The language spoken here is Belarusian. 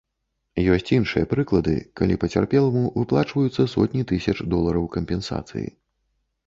Ёсць іншыя прыклады, калі пацярпеламу выплачваюцца сотні тысяч долараў кампенсацыі.